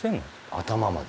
頭まで